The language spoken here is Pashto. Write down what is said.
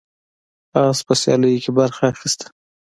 اس په سیالیو کې برخه اخیسته.